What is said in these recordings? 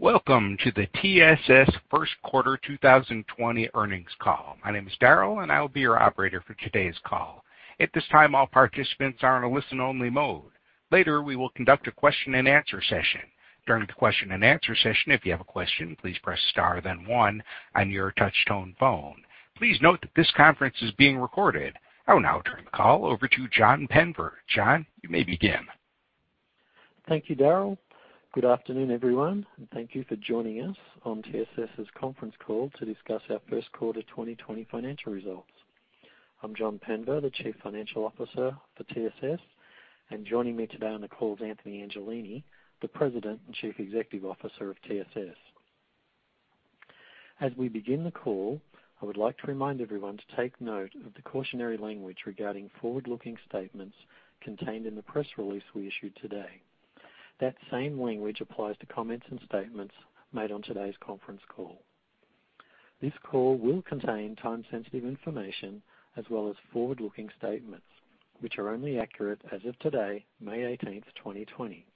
Welcome to the TSS First Quarter 2020 Earnings Call. My name is Darryl, and I will be your operator for today's call. At this time, all participants are in a listen-only mode. Later, we will conduct a question-and-answer session. During the question-and-answer session, if you have a question, please press star then one on your touch-tone phone. Please note that this conference is being recorded. I will now turn the call over to John Penver. John, you may begin. Thank you, Darryl. Good afternoon, everyone, and thank you for joining us on TSS's conference call to discuss our First Quarter 2020 Financial Results. I'm John Penver, the Chief Financial Officer for TSS, and joining me today on the call is Anthony Angelini, the President and Chief Executive Officer of TSS. As we begin the call, I would like to remind everyone to take note of the cautionary language regarding forward-looking statements contained in the press release we issued today. That same language applies to comments and statements made on today's conference call. This call will contain time-sensitive information as well as forward-looking statements, which are only accurate as of today, May 18th, 2020.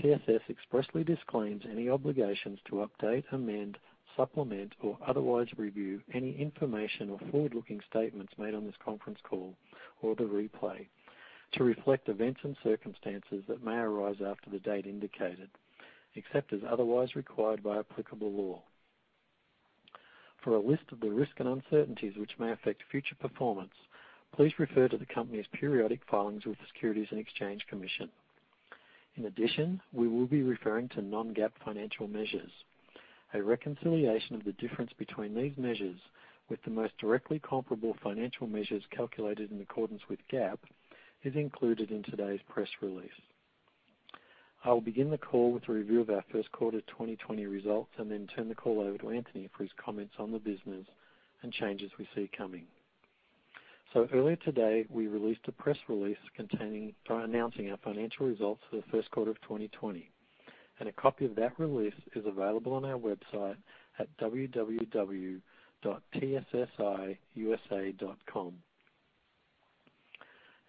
TSS expressly disclaims any obligations to update, amend, supplement, or otherwise review any information or forward-looking statements made on this conference call or the replay to reflect events and circumstances that may arise after the date indicated, except as otherwise required by applicable law. For a list of the risks and uncertainties which may affect future performance, please refer to the company's periodic filings with the Securities and Exchange Commission. In addition, we will be referring to non-GAAP financial measures. A reconciliation of the difference between these measures with the most directly comparable financial measures calculated in accordance with GAAP is included in today's press release. I will begin the call with a review of our first quarter 2020 results and then turn the call over to Anthony for his comments on the business and changes we see coming. So earlier today, we released a press release announcing our financial results for the first quarter of 2020, and a copy of that release is available on our website at www.tssiusa.com.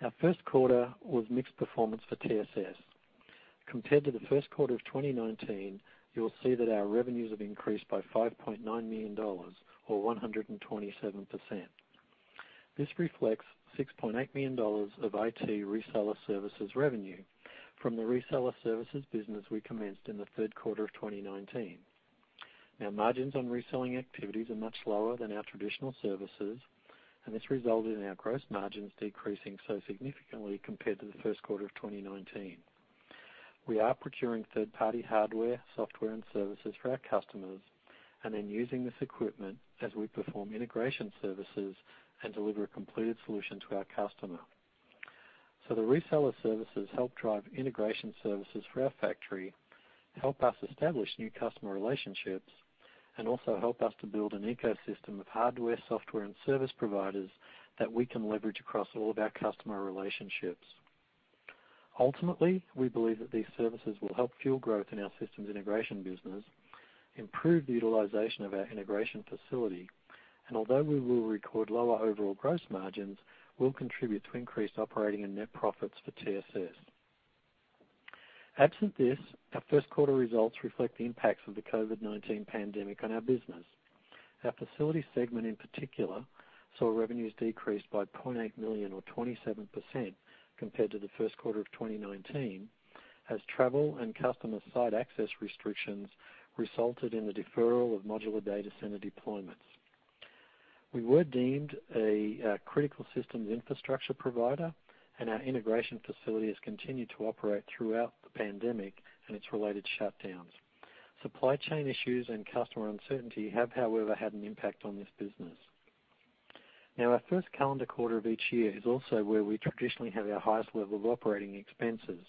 Our first quarter was mixed performance for TSS. Compared to the first quarter of 2019, you'll see that our revenues have increased by $5.9 million, or 127%. This reflects $6.8 million of IT reseller services revenue from the reseller services business we commenced in the third quarter of 2019. Our margins on reselling activities are much lower than our traditional services, and this resulted in our gross margins decreasing so significantly compared to the first quarter of 2019. We are procuring third-party hardware, software, and services for our customers and then using this equipment as we perform integration services and deliver a completed solution to our customer. So the reseller services help drive integration services for our factory, help us establish new customer relationships, and also help us to build an ecosystem of hardware, software, and service providers that we can leverage across all of our customer relationships. Ultimately, we believe that these services will help fuel growth in our Systems Integration business, improve the utilization of our integration facility, and although we will record lower overall gross margins, will contribute to increased operating and net profits for TSS. Absent this, our first quarter results reflect the impacts of the COVID-19 pandemic on our business. Our facility segment, in particular, saw revenues decreased by $0.8 million, or 27%, compared to the first quarter of 2019, as travel and customer site access restrictions resulted in the deferral of modular data center deployments. We were deemed a critical systems infrastructure provider, and our integration facility has continued to operate throughout the pandemic and its related shutdowns. Supply chain issues and customer uncertainty have, however, had an impact on this business. Now, our first calendar quarter of each year is also where we traditionally have our highest level of operating expenses,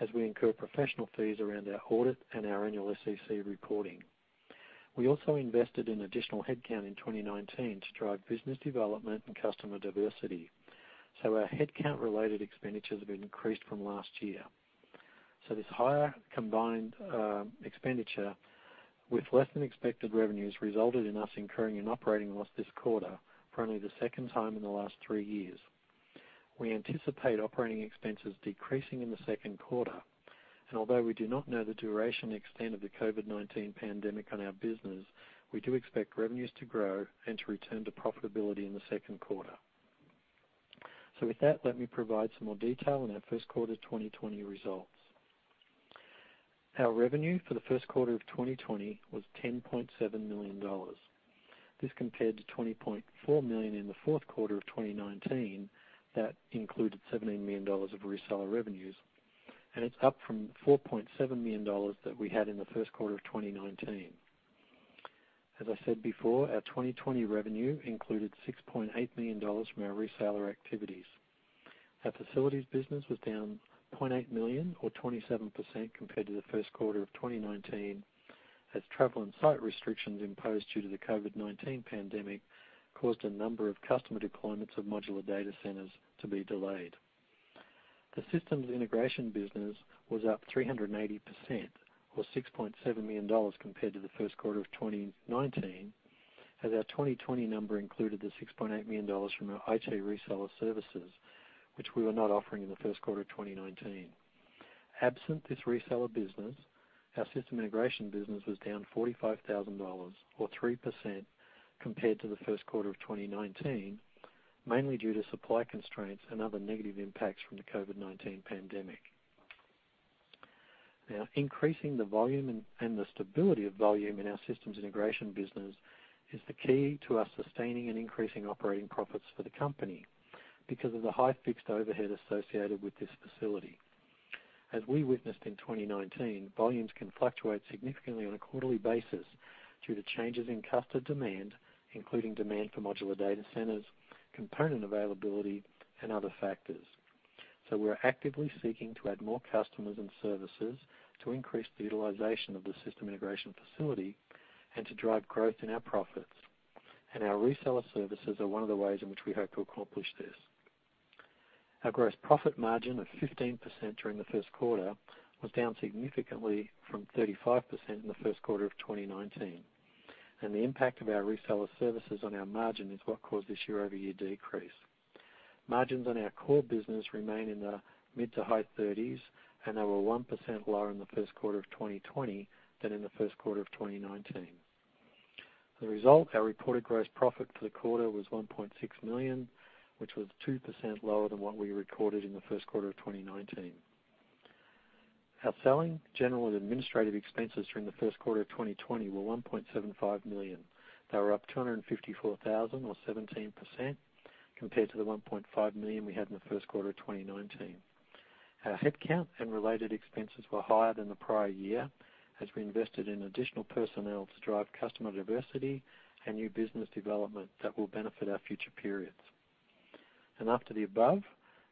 as we incur professional fees around our audit and our annual SEC reporting. We also invested in additional headcount in 2019 to drive business development and customer diversity, so our headcount-related expenditures have increased from last year, so this higher combined expenditure with less-than-expected revenues resulted in us incurring an operating loss this quarter for only the second time in the last three years. We anticipate operating expenses decreasing in the second quarter, and although we do not know the duration and extent of the COVID-19 pandemic on our business, we do expect revenues to grow and to return to profitability in the second quarter. So with that, let me provide some more detail on our first quarter 2020 results. Our revenue for the first quarter of 2020 was $10.7 million. This compared to $20.4 million in the fourth quarter of 2019 that included $17 million of reseller revenues, and it's up from $4.7 million that we had in the first quarter of 2019. As I said before, our 2020 revenue included $6.8 million from our reseller activities. Our facilities business was down $0.8 million, or 27%, compared to the first quarter of 2019, as travel and site restrictions imposed due to the COVID-19 pandemic caused a number of customer deployments of modular data centers to be delayed. The Systems Integration business was up 380%, or $6.7 million compared to the first quarter of 2019, as our 2020 number included the $6.8 million from our IT reseller services, which we were not offering in the first quarter of 2019. Absent this reseller business, our system integration business was down $45,000, or 3%, compared to the first quarter of 2019, mainly due to supply constraints and other negative impacts from the COVID-19 pandemic. Now, increasing the volume and the stability of volume in our Systems integration business is the key to us sustaining and increasing operating profits for the company because of the high fixed overhead associated with this facility. As we witnessed in 2019, volumes can fluctuate significantly on a quarterly basis due to changes in customer demand, including demand for modular data centers, component availability, and other factors. So we're actively seeking to add more customers and services to increase the utilization of the system integration facility and to drive growth in our profits, and our reseller services are one of the ways in which we hope to accomplish this. Our gross profit margin of 15% during the first quarter was down significantly from 35% in the first quarter of 2019, and the impact of our reseller services on our margin is what caused this year-over-year decrease. Margins on our core business remain in the mid to high 30s, and they were 1% lower in the first quarter of 2020 than in the first quarter of 2019. As a result, our reported gross profit for the quarter was $1.6 million, which was 2% lower than what we recorded in the first quarter of 2019. Our selling, general, and administrative expenses during the first quarter of 2020 were $1.75 million. They were up $254,000, or 17%, compared to the $1.5 million we had in the first quarter of 2019. Our headcount and related expenses were higher than the prior year as we invested in additional personnel to drive customer diversity and new business development that will benefit our future periods. And after the above,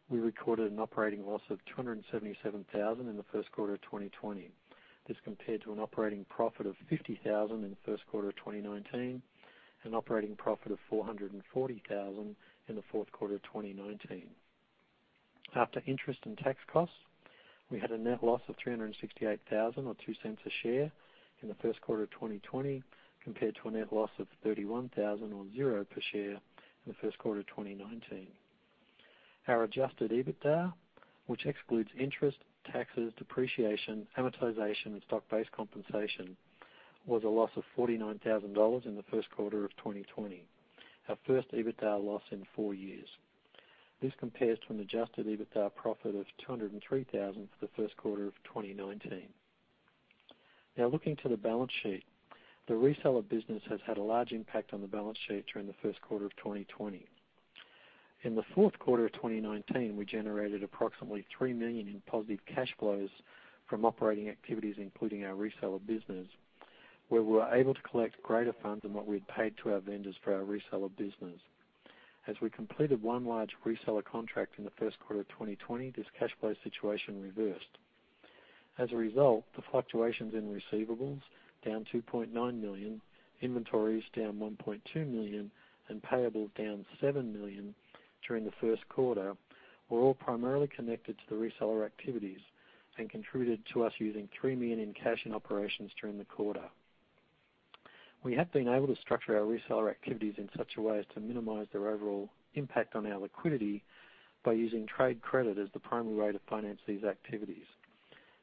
we recorded an operating loss of $277,000 in the first quarter of 2020. This compared to an operating profit of $50,000 in the first quarter of 2019 and an operating profit of $440,000 in the fourth quarter of 2019. After interest and tax costs, we had a net loss of $368,000, or $0.02 per share, in the first quarter of 2020, compared to a net loss of $31,000, or $0.00 per share, in the first quarter of 2019. Our Adjusted EBITDA, which excludes interest, taxes, depreciation, amortization, and stock-based compensation, was a loss of $49,000 in the first quarter of 2020, our first EBITDA loss in four years. This compares to an Adjusted EBITDA profit of $203,000 for the first quarter of 2019. Now, looking to the balance sheet, the reseller business has had a large impact on the balance sheet during the first quarter of 2020. In the fourth quarter of 2019, we generated approximately $3 million in positive cash flows from operating activities, including our reseller business, where we were able to collect greater funds than what we had paid to our vendors for our reseller business. As we completed one large reseller contract in the first quarter of 2020, this cash flow situation reversed. As a result, the fluctuations in receivables down $2.9 million, inventories down $1.2 million, and payables down $7 million during the first quarter were all primarily connected to the reseller activities and contributed to us using $3 million in cash and operations during the quarter. We have been able to structure our reseller activities in such a way as to minimize their overall impact on our liquidity by using trade credit as the primary way to finance these activities.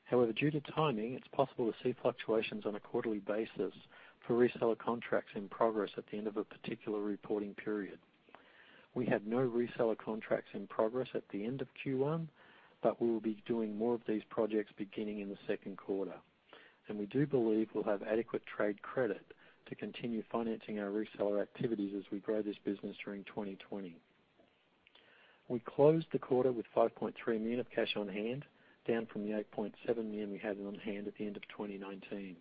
However, due to timing, it's possible to see fluctuations on a quarterly basis for reseller contracts in progress at the end of a particular reporting period. We had no reseller contracts in progress at the end of Q1, but we will be doing more of these projects beginning in the second quarter, and we do believe we'll have adequate trade credit to continue financing our reseller activities as we grow this business during 2020. We closed the quarter with $5.3 million of cash on hand, down from the $8.7 million we had on hand at the end of 2019.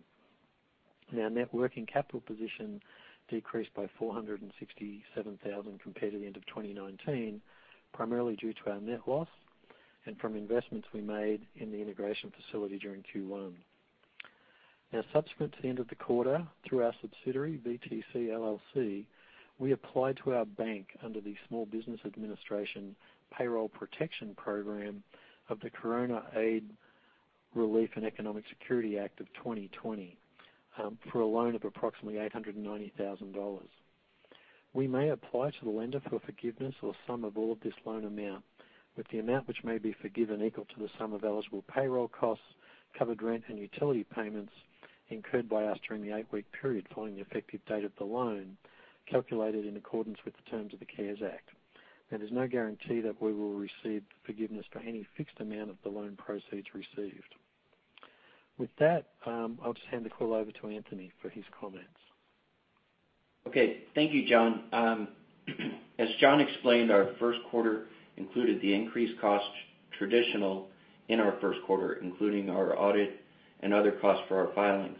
Now, net working capital position decreased by $467,000 compared to the end of 2019, primarily due to our net loss and from investments we made in the integration facility during Q1. Now, subsequent to the end of the quarter, through our subsidiary, VTC, LLC, we applied to our bank under the Small Business Administration Payroll Protection Program of the Coronavirus Aid, Relief, and Economic Security Act of 2020 for a loan of approximately $890,000. We may apply to the lender for forgiveness or sum of all of this loan amount, with the amount which may be forgiven equal to the sum of eligible payroll costs, covered rent, and utility payments incurred by us during the eight-week period following the effective date of the loan, calculated in accordance with the terms of the CARES Act. There is no guarantee that we will receive forgiveness for any fixed amount of the loan proceeds received. With that, I'll just hand the call over to Anthony for his comments. Okay. Thank you, John. As John explained, our first quarter included the increased costs traditional in our first quarter, including our audit and other costs for our filings.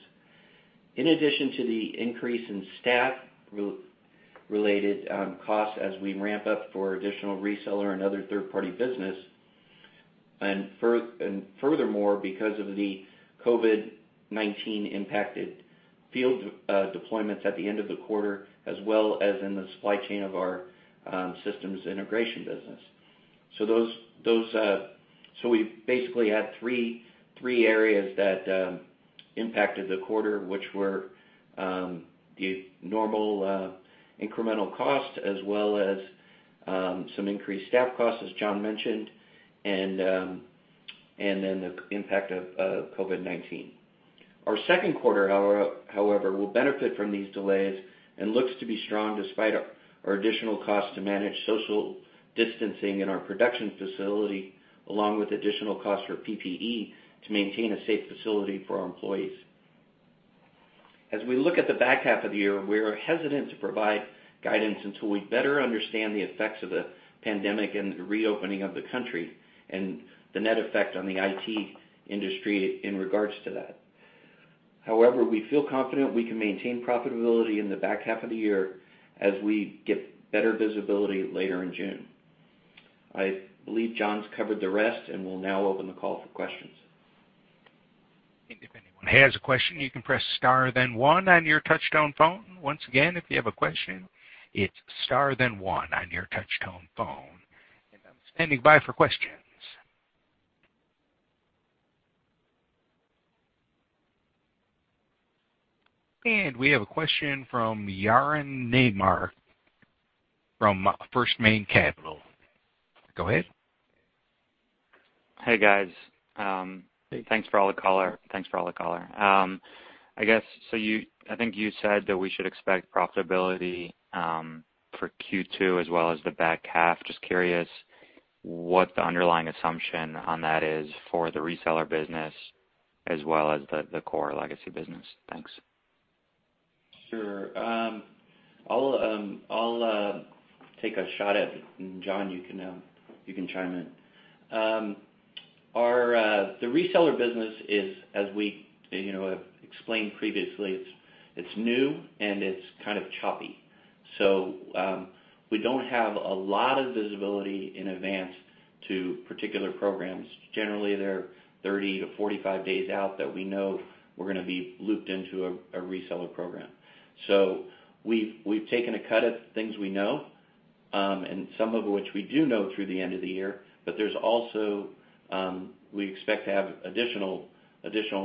In addition to the increase in staff-related costs as we ramp up for additional reseller and other third-party business, and furthermore, because of the COVID-19 impacted field deployments at the end of the quarter, as well as in the supply chain of our Systems Integration business. So we basically had three areas that impacted the quarter, which were the normal incremental costs, as well as some increased staff costs, as John mentioned, and then the impact of COVID-19. Our second quarter, however, will benefit from these delays and looks to be strong despite our additional costs to manage social distancing in our production facility, along with additional costs for PPE to maintain a safe facility for our employees. As we look at the back half of the year, we're hesitant to provide guidance until we better understand the effects of the pandemic and the reopening of the country and the net effect on the IT industry in regards to that. However, we feel confident we can maintain profitability in the back half of the year as we get better visibility later in June. I believe John's covered the rest and will now open the call for questions. If anyone has a question, you can press star then one on your touch-tone phone. Once again, if you have a question, it's star then one on your touch-tone phone, and I'm standing by for questions, and we have a question from Yaron Naymark from 1 Main Capital. Go ahead. Hey, guys. Thanks for taking the call. I guess, so I think you said that we should expect profitability for Q2 as well as the back half. Just curious what the underlying assumption on that is for the reseller business as well as the core legacy business. Thanks. Sure. I'll take a shot at it, and John, you can chime in. The reseller business is, as we have explained previously, it's new and it's kind of choppy. So we don't have a lot of visibility in advance to particular programs. Generally, they're 30 to 45 days out that we know we're going to be looped into a reseller program. So we've taken a cut of things we know, and some of which we do know through the end of the year, but there's also we expect to have additional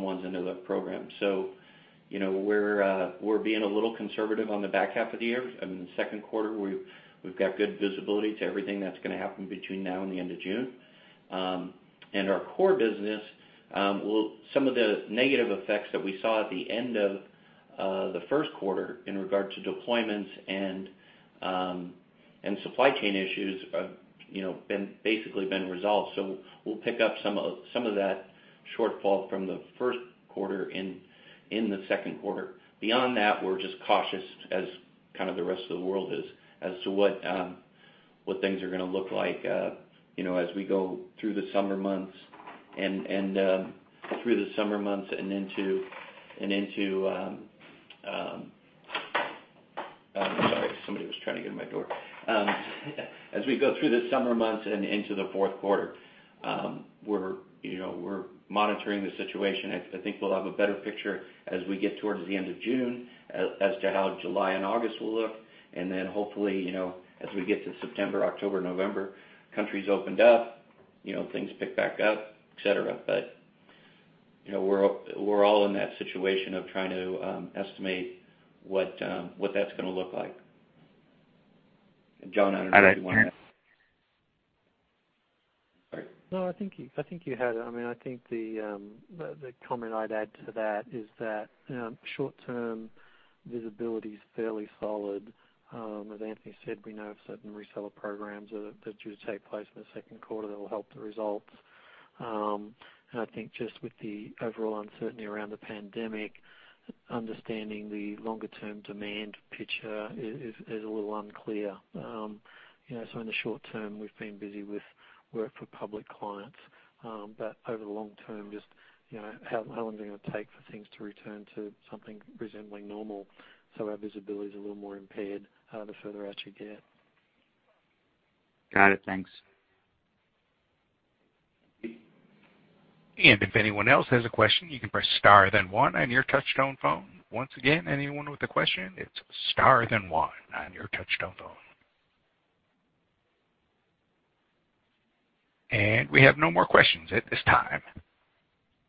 ones into the program. So we're being a little conservative on the back half of the year. In the second quarter, we've got good visibility to everything that's going to happen between now and the end of June. Our core business, some of the negative effects that we saw at the end of the first quarter in regard to deployments and supply chain issues have basically been resolved. We'll pick up some of that shortfall from the first quarter in the second quarter. Beyond that, we're just cautious, as kind of the rest of the world is, as to what things are going to look like as we go through the summer months and into—sorry, somebody was trying to get in my door. As we go through the summer months and into the fourth quarter, we're monitoring the situation. I think we'll have a better picture as we get towards the end of June as to how July and August will look, and then hopefully, as we get to September, October, November, country's opened up, things pick back up, etc. But we're all in that situation of trying to estimate what that's going to look like. John, I don't know if you want to... No, I think you had it. I mean, I think the comment I'd add to that is that short-term visibility is fairly solid. As Anthony said, we know of certain reseller programs that do take place in the second quarter that will help the results. And I think just with the overall uncertainty around the pandemic, understanding the longer-term demand picture is a little unclear. So in the short term, we've been busy with work for public clients, but over the long term, just how long is it going to take for things to return to something resembling normal? So our visibility is a little more impaired the further out you get. Got it. Thanks. And if anyone else has a question, you can press star then one on your touch-tone phone. Once again, anyone with a question, it's star then one on your touch-tone phone. And we have no more questions at this time.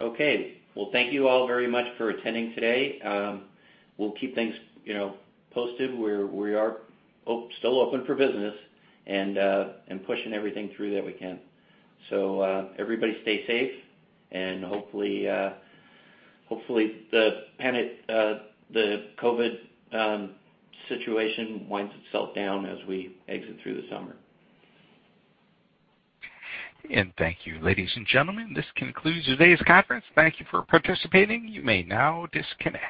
Okay. Well, thank you all very much for attending today. We'll keep things posted. We are still open for business and pushing everything through that we can. So everybody stay safe, and hopefully the COVID situation winds itself down as we exit through the summer. Thank you, ladies and gentlemen. This concludes today's conference. Thank you for participating. You may now disconnect.